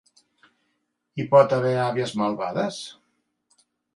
Hi pot haver àvies malvades?